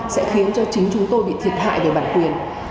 sẽ khiến cho chính chúng tôi bị thiệt hại về bản quyền